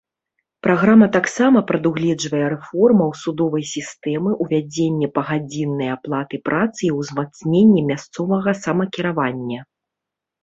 Праграма таксама прадугледжвае рэформаў судовай сістэмы, увядзенне пагадзіннай аплаты працы і ўзмацненне мясцовага самакіравання.